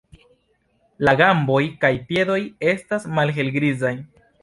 La gamboj kaj piedoj estas malhelgrizaj.